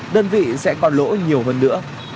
đơn vị sẽ còn lỗ nhiều hơn nữa